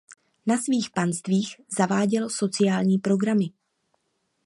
Na svých panstvích zaváděl sociální programy.